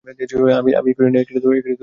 আমিই করি নাই।